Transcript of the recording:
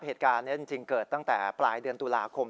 เหตุการณ์นี้จริงเกิดตั้งแต่ปลายเดือนตุลาคม